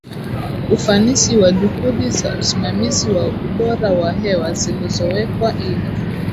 ufanisi wa juhudi za usimamizi wa ubora wa hewa zilizowekwa ili